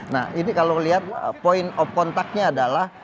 nah ini kalau lihat point of contactnya adalah